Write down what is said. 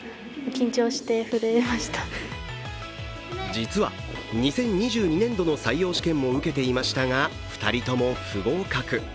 実は２０２２年度の採用試験も受けていましたが２人とも不合格。